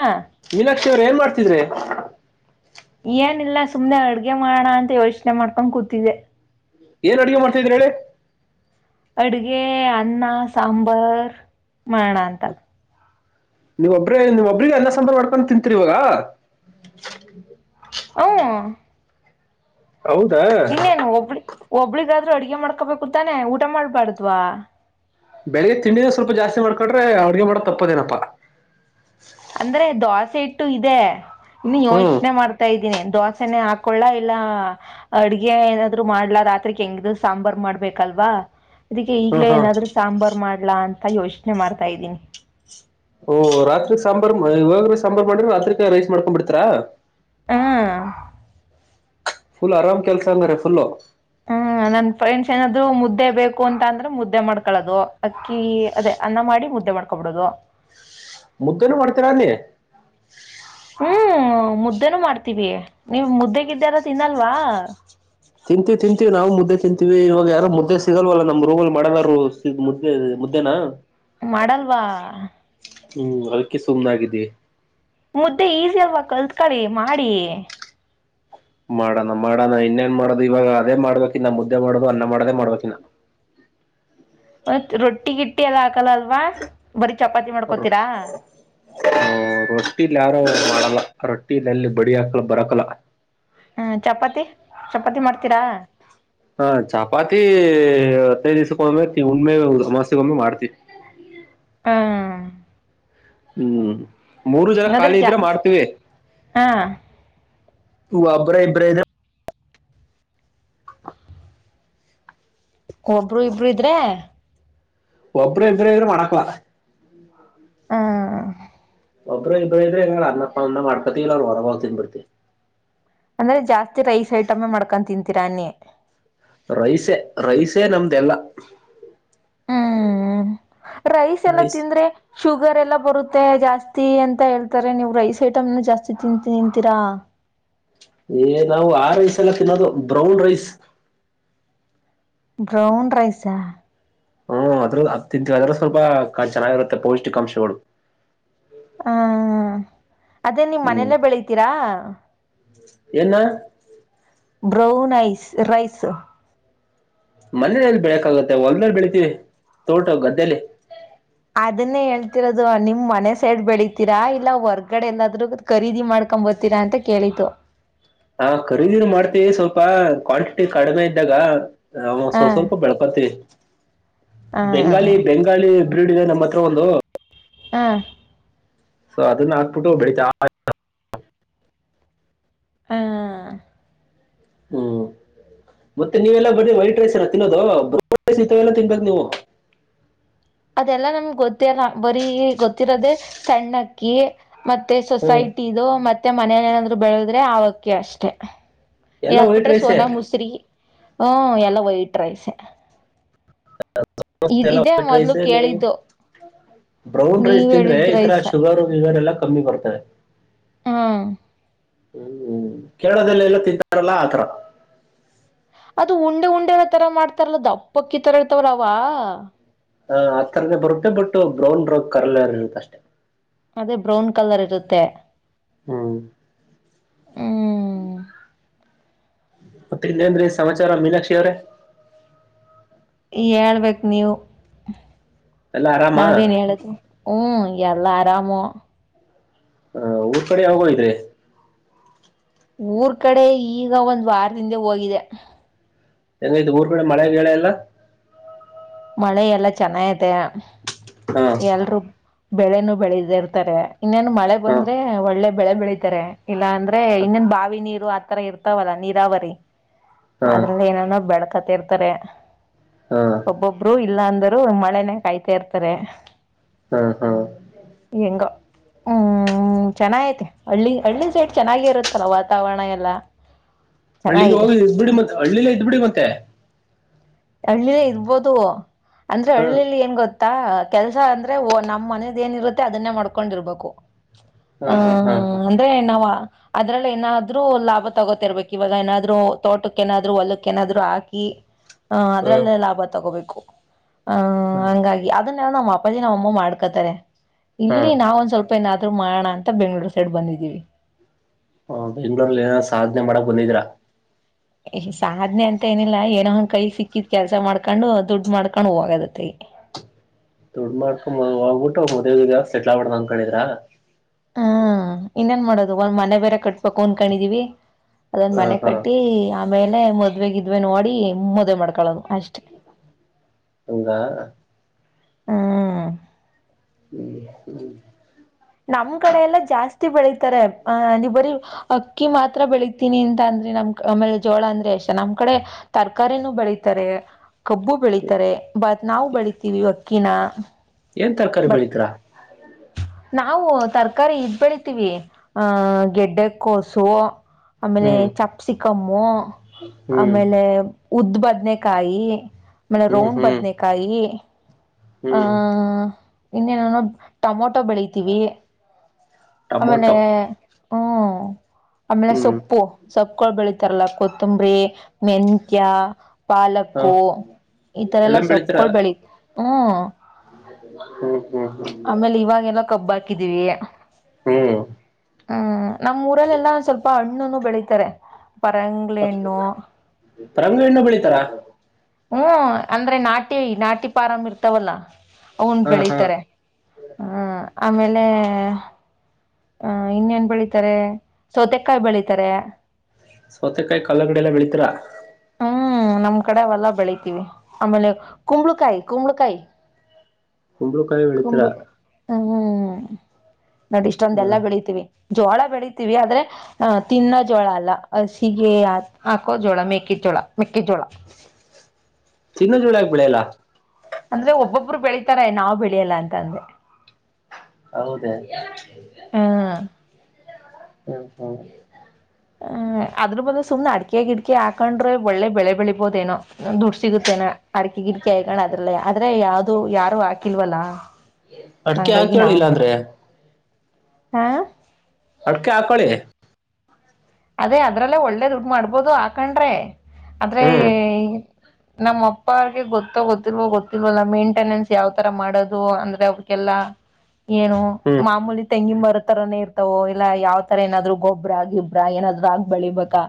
ಹಾ ಮೀನಾಕ್ಷಿ ಅವರ ಏನ ಮಾಡ್ತಿದ್ರೀ. ಏನಿಲ್ಲಾ ಸುಮ್ಮನೆ ಅಡ್ಗೆ ಮಾಡೋಣ ಅಂತ ಯೋಚನೆ ಮಾಡ್ಕೊಂಡ್ ಕೂತಿದ್ದೆ. ಏನ ಅಡುಗೆ ಮಾಡತಿದ್ರ ಹೇಳಿ. ಅಡಗೆ ಅನ್ನಾ ಸಾಂಬಾರ ಮಾಡನ ನೀವ ಒಬ್ಬ್ರೇ ನಿವ ಒಬ್ರಿಗೆ ಅನ್ನಾ ಸಾಂಬರ್ ಮಾಡ್ಕೊಂಡು ತಿಂತೀರಿ ಇವಾಗಾ. ಹು ಹೌದಾ ಇನ್ನೇನು ಒಬ್ಳಿ ಒಬ್ಳಿಗಾದ್ರೂ ಅಡಗೆ ಮಾಡ್ಕೋಬೇಕು ತಾನೆ ಊಟಾ ಮಾಡ್ಬಾರ್ದ್ವಾ. ಬೆಳಿಗ ತಿಂಡಿನೆ ಸ್ವಲ್ಪ ಜಾಸ್ತಿ ಮಾಡ್ಕೊಂಡ್ರೆ ಅಡ್ಗೆ ಮಾಡದ ತಪ್ಪದೇನಪ್ಪಾ. ಅಂದ್ರೆ ದ್ವಾಸೆ ಹಿಟ್ಟು ಇದೆ ಇನ್ನು ಹ್ಮ್ ಯೋಚನೆ ಮಾಡ್ತ ತ್ತಾ ಇದ್ದೀನಿ ದ್ವಾಸೆನೆ ಹಾಕೊಳ್ಳಾ ಇಲ್ಲಾ ಅಡ್ಗೆ ಏನಾದ್ರು ಮಾಡ್ಲಾ ರಾತ್ರಿಗೆ ಹೆಂಗಿದ್ರು ಸಾಂಬಾರ್ ಮಾಡ್ಬೇಕಲ್ವಾ. ಅದಿಕ್ಕೆ ಹ್ಮ್ ಈಗ್ಲೇ ಹ್ಮ್ ಏನಾದ್ರು ಸಾಂಬಾರ್ ಮಾಡ್ಲಾ ಅಂತ ಯೋಚನೆ ಮಾಡ್ತಾ ಇದ್ದೀನಿ. ಓ ರಾತ್ರಿ ಸಾಂಬಾರ್ ಮಇ ಇವಾಗ ಸಾಂಬಾರ್ ಮಾಡ್ರಿ ರಾತ್ರಿಕ ರೈಸ್ ಮಾಡ್ಕೊಂಡ್ ಬಿಡತ್ತೀರಾ. ಹಾ ಫುಲ್ ಆರಾಮ್ ಕೆಲಸಾ ಹಂಗಾರೆ ಫುಲ್ಲು ಹು ನನ್ ಫ್ರೆಂಡ್ಸ್ ಏನಾದ್ರು ಮುದ್ದೆ ಬೇಕು ಅಂತ ಅಂದ್ರೆ ಮುದ್ದೆ ಮಾಡ್ಕೊಳ್ಳೋದು ಅಕ್ಕಿ ಅದೇ ಅನ್ನ ಮಾಡಿ ಮುದ್ದೆ ಮಾಡ್ಕೊಬುಡೋದು. ಮುದ್ದನು ಮಾಡ್ತೀರಾ ಅಲ್ಲಿ. ಹು ಮುದ್ದೇನು ಮಾಡ್ತೀವಿ ನೀವು ಮುದ್ದೆಗಿದ್ದೆನು ನೀವು ತಿನ್ನಲ್ವಾ. ತಿಂತೀವಿ ತಿಂತೀವಿ ನಾವು ಮುದ್ದೆ ತಿಂತೀವಿ ಇವಾಗ ಯಾರೋ ಮುದ್ದೆ ಸಿಗಲ್ವಲ್ಲ ನಮ್ಮ ರೂಮ್ ಅಲ್ಲಿ ಮಾಡದಾರು. ಇಗ ಮುದ್ದೆಇದೆ ಮುದ್ದೆನಾ. ಮಾಡಲ್ವಾ. ಹು ಅದಕ್ಕೆ ಸುಮ್ನಆಗಿದೀವಿ. ಮುದ್ದೆ ಈಸಿ ಅಲ್ವಾ ಕಲ್ತ್ಕಳಿ ಮಾಡಿ. ಮಾಡೋಣ ಮಾಡೋಣ ಇನ್ನೇನ್ ಮಾಡೋದು ಇವಾಗ ಅದೇ ಮಾಡ್ಬೇಕಿನ್ನ ಮುದ್ದೆ ಮಾಡೋದು ಅನ್ನ ಮಾಡೋದೇ ಮಾಡ್ಬೇಕಿನ್ನ. ಮತ್ತ ರೊಟ್ಟಿಗಿಟ್ಟಿ ಎಲ್ಲ ಹಾಕಲ್ಲ ಅಲ್ವಾ ಬರೀ ಚಪಾತಿ ಮಾಡ್ಕೋತೀರಾ. ಹು ರೊಟ್ಟಿಲಿ ಯಾರು ಮಾಡಲ್ಲಾ ರೊಟ್ಟಿಲೆಲ್ಲಿ ಬಡಿ ಹಾಕಲ್ಲ ಬರಕಲ್ಲ. ಹ ಚಪಾತಿ ಚಪಾತಿ ಮಾಡ್ತೀರಾ. ಹಾ ಚಪಾತಿ ಹತ್ತೈ ದಿವ್ಕ್ಕೊಮ್ಮೆ ಉಣ್ಮೆ ಅಮಾಸಿಗೊಮ್ಮೆ ಮಾಡ್ತಿವಿ. ಹಾ ಹು ಮೂರು ಜನ ಹಂಗಾದ್ರೆ ಖಾಲಿ ಇದ್ರೆ ಜಾಸ್ ಮಾಡ್ತೀವಿ. ಹಾ ಒಬ್ಬರೆ ಇಬ್ಬರೆ ಇದ್ರೆ ಒಬ್ರು ಇಬ್ರು ಇದ್ರೆ. ಒಬ್ಬರೇ ಇದ್ರೆ ಏನು ಮಾಡಕಲ್ಲ. ಹ್ಮ್ ಒಬ್ಬರ ಇಬ್ಬರ ಇದ್ರೆ [unintelligible] ಅನ್ನ ಪನ್ನ ಮಾಡ್ಕತಿವ ಇಲ್ಲ ಹೊರಗ್ ಹೋಗ್ ತಿನ್ ಬಿಡ್ತಿ. ಅಂದ್ರೆ ಜಾಸ್ತಿ ರೈಸ್ ಐಟಂ ಮಾಡ್ಕೊಂಡು ತಿಂತೀರ ಅನ್ನಿ. ರೈಸೇ ರೈಸೇ ನಮ್ದೆಲ್ಲ. ಹ್ಮ್ ರೈಸ್ ಎಲ್ಲ ತಿಂದ್ರೆ ಶುಗರ್ ಎಲ್ಲ ಬರುತ್ತೆ ಜಾಸ್ತಿ ಅಂತ ಹೇಳ್ತಾರೆ ನೀವು ರೈಸ್ ಐಟಮ್ ನೇ ಜಾಸ್ತಿ ತಿನ್ ತಿಂತೀರಾ. ಏ ನಾವು ಆ ರೈಸ್ ಅಲ್ಲ ತಿನ್ನೋದು ಬ್ರೌನ್ ರೈಸ್. ಬ್ರೌನ್ ರೈಸಾ. ಹ್ಮ್ಅದ್ರಲ್ಲಿ ಅದ್ ತಿಂತಇದ್ರೆ ಸ್ವಲ್ಪ [unintelligible] ಚೆನ್ನಾಗಿರುತ್ತೆ ಪೌಷ್ಟಿಕಾಂಶಗಳು. ಹಾ ಅದೇ ನಿಮ್ ಹ್ಮ್ ಮನೆಲೆ ಬೆಳಿತೀರಾ. ಏನ್ನ. Brown ice rice. ಮನೆಲ್ಲಿ ಎಲ್ಲಿ ಬೆಳೆಯೋಕಾಗುತ್ತೆ ಹೊಲದಲ್ಲಿ ಬೆಳಿತೀವಿ ತೋಟ ಗದ್ದೆಲಿ. ಅದನ್ನೇ ಹೇಳ್ತಿರೋದು ನಿಮ್ ಮನೆ ಸೈಡ್ ಬೆಳಿತೀರಾ ಇಲ್ಲ ವರ್ ಗಡೆ ಎಲ್ಲಾದ್ರೂ ಖರೀದಿ ಮಾಡ್ಕೊಂಡ್ ಬರ್ತೀರಾ ಅಂತ ಕೇಳಿದ್ದು. ಹಾ ಖರೀದಿನು ಮಾಡ್ತೀವಿ ಸ್ವಲ್ಪ ಕ್ವಾಂಟಿಟಿ ಕಡಿಮೆ ಇದ್ದಾಗ. ಹ ಸ್ವಲ್ಪ ಸ್ವಲ್ಪ ಬೆಳಕಂತೀವಿ [unintelligible] ಹ ಬೆಂಗಾಲಿ ಬ್ರೀಡ್ ಇದೆ ನಮ್ಮ ಹತ್ರ ಒಂದು. ಹು [unintelligible] ಸೊ ಅದನ್ನ ಹಾಕ್ಬಿಟ್ಟು ಬೆಳಿತ ಹ ಹ್ಮ ಮತ್ತೆ ನೀವೆಲ್ಲ ಬರಿ ವೈಟ್ ರೈಸ್ ಏನ ತಿನ್ನೋದು [unintelligible] ತಿನ್ಬೇಕು ನೀವು. ಅದೆಲ್ಲಾ ನಮ್ಗೆ ಗೊತ್ತಿಲ್ಲ ಬರಿ ಗೊತ್ತಿರೋದೆೇ ಸಣ್ಣ ಅಕ್ಕಿ ಮತ್ತೆ ಸೊಸೈಟಿದು ಮತ್ತೆ ಮನೇಲ್ ಏನಾದ್ರು ಬೆಳೆದ್ರೆ ಅವ್ ಅಕ್ಕಿ ಅಷ್ಟೇ. ಏ ಎಲ್ಲಾ ಆದ್ ವೈಟ್ ಬಿಟ್ರೆ ರೈಸೇ ಸೋನಾ ಮುಸ್ರಿ ಹೂ ಎಲ್ಲಾ ವೈಟ್ ರೈಸೇ. [inaudible] ಎಲ್ಲ ಇದೇ ವೈಟ್ ಮೊದ್ಲು ರೈಸ್ ಎ ನೀವು. ಕೇಳಿದ್ದು ಬ್ರೌನ್ ರೈಸ್ ನೀವ್ ತಿಂದ್ರೆ ಹೇಳಿದ್ ಇತರ ರೈಸ ಶುಗರ್ ಗಿಗರ್ ಎಲ್ಲ ಕಮ್ಮಿ ಬರ್ತವೆ. ಹಾ [unintelligible] ಕೇರಳದಲ್ಲಿ ಎಲ್ಲ ತಿಂತಾರಲ್ಲ ಅಥರಾ. ಅದು ಉಂಡೆ ಉಂಡೆಲಾ ತರ ಮಾಡ್ತಾರಲ್ಲ ದಪ್ಪಕ್ಕಿ ತರ ಇರ್ಥವಲ್ಲ ಅವ. ಆ ಆತರನೆ ಬರುತ್ತೆ ಬಟ್ ಬ್ರೌನ್ ರೋಗ್ ಕಲರ್ ಇರುತ್ತೆ ಅಷ್ ಅದೇ ಬ್ರೌನ್ ಕಲರ್ ಇರುತ್ತೆ ಹ್ಮ್ ಹ್ಮ್ ಮತ್ತೆ ಇನ್ನೇನ್ರೀ ಸಮಾಚಾರ ಮೀನಾಕ್ಷಿ ಅವ್ರೆ. ಹೇಳ್ಬೇಕು ನೀವು ಎಲ್ಲಾ ಆರಾಮ ನಾವೇನ್ ಹೇಳುದು. ಹ್ಮ್ ಎಲ್ಲ ಆರಾಮು. ಹ ಊರ್ ಕಡೆ ಯಾವಾಗ್ ಹೋಗಿದ್ರಿ. ಊರ್ ಕಡೆ ಈಗ ಒಂದ್ ವಾರದಿಂದೆ ಹೋಗಿದೆ. ಹೆಂಗ ಐತೆ ಊರ್ ಕಡೆ ಮಳೆ ಬೆಳೆ ಎಲ್ಲ. ಮಳೆ ಎಲ್ಲ ಚೆನ್ನಾಗಿದೆ ಹಾ ಎಲ್ರು ಬೆಳೆನೂ ಬೆಳದೆ ಇರ್ತಾರೆ ಇನ್ನೇನು ಮಳೆ ಹಾ ಹಾ ಬಂದ್ರೆ ಒಳ್ಳೆ ಬೆಳೆ ಬೆಳಿತಾರೆ. ಇಲ್ಲ ಅಂದ್ರೆ ಇನ್ನೊನ್ ಬಾವಿ ನೀರು ಆತರ ಇರ್ತಾವಲ್ಲ ನೀರಾವರಿ. ಹಾ ಅದ್ರಲ್ಲಿ ಏನೇನೊ ಬೆಳ್ಕತ್ತ ಇರ್ತಾರೆ. ಒಬ್ಬೊಬ್ರು ಇಲ್ಲ ಅಂದರು ಮಳೆನೇ ಕಾಯ್ತಾ ಇರ್ತಾರೆ. ಹಾ ಹಾ ಹೆಂಗೊ ಹ್ಮ್ ಹ್ಮ್ ಚೆನ್ನಾಗೈತೆ ಹಳ್ಳಿ ಹಳ್ಳಿ ಸೈಡ್ ಚೆನ್ನಾಗಿ ಇರುತ್ತಲ್ಲ ವಾತಾವರಣ ಎಲ್ಲಾ. ಹಳ್ಳಿಗೆ ಹೋಗಿ ಇದ್ ಬಿಡಿ ಮತ್ತೆ ಹಳ್ಳಿಲ್ಲೇ ಇದ್ ಬಿಡಿ ಮತ್ತೆ. ಹಳ್ಳಿಲ್ಲೇ ಇರ್ಬೋದು ಅಂದ್ರೆ ಹಾ ಹಳ್ಳಿಯಲ್ಲಿ ಏನ್ ಗೊತ್ತ್ ತ್ತ ಕೆಲಸ ಅಂದ್ರೆ ನಮ್ಮ್ ಮನೆದ್ ಏನಿರುತ್ತೆ ಅದನ್ನೇ ಮಾಡ್ಕೊಂಡಿರ್ಬೇಕು. ಹಾ ಹ ಹಾ ಹಾ ಹಾ ಹ ಅಂದ್ರೆ ನಾವ್ ಅದ್ರಲ್ಲಿ ಏನಾದ್ರು ಲಾಭ ತಗೋತಿರ್ಬೇಕ್ ಇವಾಗ ಏನಾದ್ರು ತೋಟಕ್ಕ್ ಏನಾದ್ರು ಹೊಲಕ್ಕ ಏನಾದ್ರು ಹಾಕಿ. ಹಾ ಅದ್ರಲ್ಲೇ ಲಾಭ ತಗೋಬೇಕು. ಹಹ ಹಂಗಾಗಿ ಅದನ್ನೆಲ್ಲ ನಮ್ಮ ಅಪ್ಪಾಜಿ ನಮ್ಮ ಅಮ್ಮ ಮಾಡ್ಕೊತಾರೆ ಹಾ ಹಾ ಇಲ್ಲಿ ನಾವ್ ಒಂದ್ ಸ್ವಲ್ಪ್ ಪ್ಪ ಏನಾದ್ರು ಮಾಡಣ ಅಂತ ಬೆಂಗಳೂರು ಸೈಡ್ ಬಂದಿದ್ದೀವಿ. ಹ ಬೆಂಗಳೂರಲ್ಲಿ ಏನೋ ಸಾಧನೆ ಮಾಡಕ್ ಬಂದಿದ್ದಿರಾ. ಏ ಸಾಧನೆ ಅಂತ ಏನಿಲ್ಲಾ ಏನೋ ಒನ್ ಕೈ ಸಿಕ್ಕಿದ್ ಕೆಲಸ ಮಾಡ್ಕೊಂಡು ದುಡ್ಡು ಮಾಡ್ಕೊಂಡು ಹೋಗದತ್ತಗೆ. ದುಡ್ಡು ಮಾಡ್ಕೊಂಡ ಹೋಗ್ಬಿಟ್ಟು ಮದುವೆ ಗಿದುವೆ ಆಗಿ ಸೆಟ್ಲ್ ಆಗಬೂಡಣ್ಣ ಅನ್ನಕೊಂಡಿದ್ದೀರಾ. ಹಾ ಇನ್ನೇನ್ ಮಾಡೋದು ಒನ್ ಮನೆ ಬೇರೆ ಕಟ್ಬೇಕು ಅನ್ನಕೊಂಡಿದೀವಿ. ಅದನ್ ಹಾ ಮನೆ ಹಾ ಕಟ್ಟಿ ಆಮೇಲೆ ಮದ್ವೆ ಗಿದ್ವೆ ನೋಡಿ ಮದ್ವೆ ಮಾಡ್ಕಳದು ಅಷ್ಟೇ. ಹಂಗ ಹ [unintelligible] ನಮ್ ಕಡೆ ಎಲ್ಲಾ ಜಾಸ್ತಿ ಬೆಳಿತಾರೆ ಅ ನೀವು ಬರೀ ಅಕ್ಕಿ ಮಾತ್ರ ಬೆಳತೀನಿ ಅಂತ ಅಂದ್ರಿ ನಮ್ ಆಮೇಲೆ ಜೋಳ ಅಂದ್ರೆ ಅಷ್ಟ ನಮ್ ಕಡೆ ತರಕಾರಿನೂ ಬೆಳಿತಾರೆ ಕಬ್ಬು ಬೆಳಿತಾರೆ ಬಟಾ ನಾವು ಬೆಳಿತೀವಿ ಅಕ್ಕಿನ. ಏನ್ ತರಕಾರಿ ಬತ್ ಬೆಳಿತ್ತಿರ ನಾವು ತರಕಾರಿ ಇದ್ ಬೆಳಿತೀವಿ ಹ ಗೆಡ್ಡೆ ಕೋಸು. ಆಮೇಲೆ ಹ್ಮ್ ಚಪ್ಸಿಕಾಮ್ಮು ಹ್ಮ್ ಆಮೇಲೆ ಉದ್ ಬದನೆಕಾಯಿ ಮೇಲೆ ಹ್ಮ್ ರೌಂಡ್ ಹ್ಮ್ ಬದನೆಕಾಯಿ ಆ ಹ್ಮ್ ಇನ್ನೇನೆನೋ ಟೊಮೊಟೊ ಬೆಳಿತೀವಿ. ಆಮೇಲೆ ಟೊಮೊಟೊ ಹ್ಮ್ ಆಮೇಲೆ ಹ್ಮ್ ಸೊಪ್ಪು ಸೊಪ್ಪಗಳು ಬೆಳಿತಾರಲ್ಲ ಕೊತ್ತಂಬರಿ ಮೆಂತ್ಯ ಹ ಪಾಲಕ್ಕು ಈತರ ಎಲ್ಲ ಎಲ್ಲಾ ಬೆಳಿತೀರ ಸೊಪ್ಪಕೊಳ್ ಬೆಳಿ ಹ್ಮ್ ಹ್ಮ್ ಹ್ಮ್ ಆಮೇಲೆ ಇವಾಗೆಲ್ಲ ಕಬ್ಬು ಹಾಕಿದೀವಿ. ಹ್ಮ್ ಹ್ಮ್ ನಮ್ಮೂರಲ್ಲೆಲ್ಲಾ ಸ್ವಲ್ಪ ಹಣ್ಣುನ್ನು ಬೆಳೀತಾರೆ. ಪರಂಗಿ ಪರಂಗಿ ಹಣ್ಣು ಬೆಳಿತಾರಾ. ಹ್ಮ್ ಅಂದ್ರೆ ನಾಟಿ ನಾಟಿ ಪಾರಾಮ್ ಇರ್ತಾವಲ್ಲ ಅವನ್ ಹಾ ಹಾ ಬೆಳೀತಾರೆ. ಹ್ಮ ಆಮೇಲೆ ಹ ಇನ್ನೇನ್ ಬೆಳಿತಾರೆ ಸೌತೆಕಾಯಿ ಬೆಳಿತಾರೆ. ಸೌತೆಕಾಯಿ ಕಲ್ಲಂಡಿ ಎಲ್ಲಾ ಬೆಳಿತಿರಾ. ಹ್ಮ್ ನಮ್ ಕಡೆ ಅವೆಲ್ಲ ಬೆಳೀತೀವಿ ಆಮೇಲೆ ಕುಂಬಳಕಾಯಿ ಕುಂಬಳಕಾಯಿ. ಕುಂಬಳಕಾಯೂ ಬೆಳಿತೀರಾ. ಕುಂಬಳಕಾಯಿ ನೋಡು ಹ ಇಷ್ಟೊಂದೆಲ್ಲಾ ಬೆಳತೀವಿ ಜೋಳ ಬೆಳೀತೀವಿ ಆದ್ರೆ. ಅ ತಿನ್ನೋ ಜೋಳ ಅಲ್ಲ ಹಸಿಗೆ ಹಾಕೋ ಜೋಳ ಮೆೇಕೆ ಜೋಳ ಮೆಕ್ಕೆಜೋಳ ತಿನ್ನೋ ಜುಳಾ ಯಾಕ್ ಬೆಳೆಯಲ್ಲ ಅಂದ್ರೆ ಒಬ್ಬೊಬ್ಬರು ಬೆಳೀಿತಾರೆ ನಾವು ಬೆಳೆಯಲ್ಲ ಅಂತ ಅಂದೆ ಹೌದಾ ಹ್ಮ ಹ್ಮ್ ಹ್ಮ ಹೂ ಅದರ ಬದ್ಲು ಸುಮ್ನೆ ಅಡಿಕೆ ಗಿಡ್ಕಿ ಹಾಕೊಂಡ್ರೆ ಒಳ್ಳೆ ಬೆಳೆ ಬೆಳಿಬೋದೆನೋ ದುಡ್ ಸಿಗುತ್ತೇನಾ ಅಡಕೆ ಗಿಟಕಿ ಹೈಕಣ್ ಅದ್ರಲ್ಲೇ ಆದ್ರೆ ಯಾವ್ದು ಯಾರು ಹಾಕಿಲ್ವಲ್ಲ ಅಡ್ಕೆ ಹಂಗಾಗಿ ನಾವು ಹಾಕೇಳಿಲ್ಲ ಅಂದ್ರೆ ಹಾ ಅಡಕೆ ಆಕೋಳಿ ಅದೇ ಅದ್ರಲ್ಲೇ ಒಳ್ಳೇ ದುಡ್ಡು ಮಾಡ್ಬೋದು ಹಾಕಂಡ್ರೆ ಆದ್ರೇ ಹ್ಮ್ ನಮ್ಮ ಅಪ್ಪ ಅವ್ರ್ಗೆ ಗೊತ್ತೋ ಗೊತ್ತಿಲ್ವ ಗೊತ್ತಿಲ್ವಲ್ಲ ಮೇಂಟೆನೆನ್ಸ್ ಯಾವ್ ತರ ಮಾಡೋದು ಅಂದ್ರೆ ಅವ್ರಿಗೆಲ್ಲ ಏನು ಹ್ಮ್ ಮಾಮೂಲಿ ತೆಂಗಿನ್ ಮರೋತರಾನೇ ಇರ್ತವೋ ಇಲ್ಲ ಯಾವ್ ತರ ಏನಾದ್ರು ಗೊಬ್ಬ್ರ ಗಿಬ್ಬ ಬ್ರ ಏನಾದ್ರು ಹಾಕ್ ಬೆಳಿಬೇಕಾ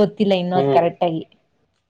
ಗೊತ್ತಿಲ್ಲ ಇನ್ನೊ ಅದ್ ಹ್ಮ್ ಕರೆಕ್ಟ್ ಆಗಿ